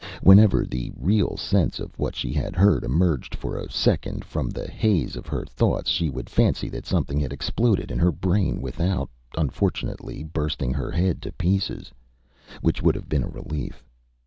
Whenever the real sense of what she had heard emerged for a second from the haze of her thoughts she would fancy that something had exploded in her brain without, unfortunately, bursting her head to pieces which would have been a relief.